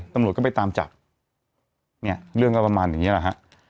ตำรวจก็ไปตามจับเนี่ยเรื่องก็ประมาณอย่างนี้แหละฮะ